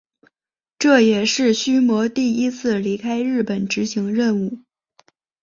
这也是须磨第一次离开日本执行任务。